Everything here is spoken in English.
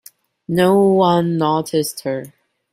No one noticed her.